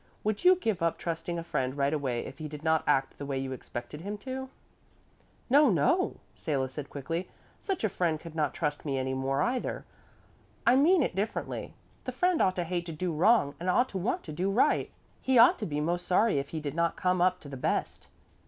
Would you give up trusting a friend right away if he did not act the way you expected him to?" "No, no," Salo said quickly, "such a friend could not trust me any more either. I mean it differently. The friend ought to hate to do wrong and ought to want to do right. He ought to be most sorry if he did not come up to the best."